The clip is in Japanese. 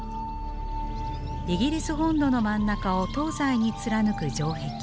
イギリス本土の真ん中を東西に貫く城壁。